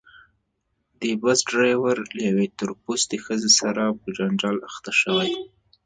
د بس ډریور له یوې تور پوستې ښځې سره په جنجال اخته شوی.